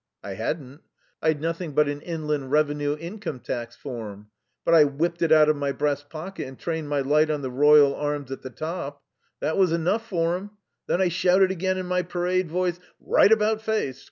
"I hadn't. I'd nothing but an Inland Revenue Income Tax form. But I whipped it out of my breast pocket and trained my light on the royal arms at the top. That was enough for 'em. Then I shouted again in my parade voice, 'Right about face!